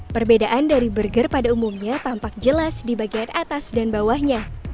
perbedaan dari burger pada umumnya tampak jelas di bagian atas dan bawahnya